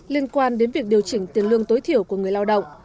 liên quan đến việc điều chỉnh tiền lương tối thiểu của người lao động